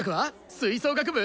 吹奏楽部？